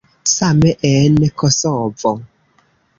Same en Kosovo.